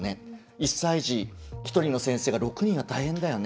１歳児１人の先生が６人は大変だよね。